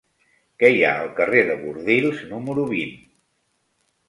Què hi ha al carrer de Bordils número vint?